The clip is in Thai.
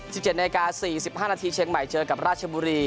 สิบอาจารย์แจกราศสี่สิบห้านาทีเชียงใหม่เจอกับราชบูรี